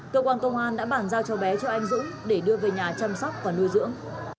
cơ quan công an đã bàn giao cho bé cho anh dũng để đưa về nhà chăm sóc và nuôi dưỡng